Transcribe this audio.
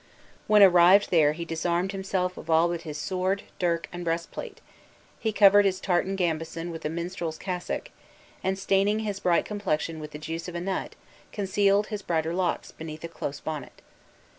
When arrive there he disarmed himself of all but his sword, dirk, and breastplate; he covered his tartan gambeson with a minstrel's cassock, and staining his bright complexion with the juice of a nut, concealed his brighter locks beneath a close bonnet.